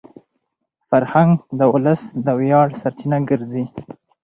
فرهنګ د ولس د ویاړ سرچینه ګرځي.